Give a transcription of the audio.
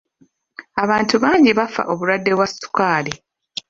Abantu bangi bafa obulwadde bwa sukaali.